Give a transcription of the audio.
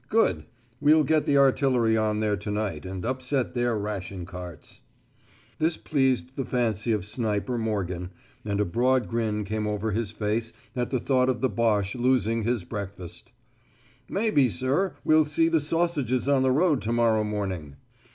Good. We'll get the artillery on there to night, and upset their ration carts." This pleased the fancy of Sniper 58 Morgan, and a broad grin came over his face at the thought of the Boche losing his breakfast. "Maybe, sir, we'll see the sausages on the road to morrow morning."